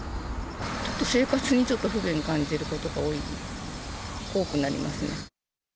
ちょっと生活にちょっと不便を感じることが多くなりますね。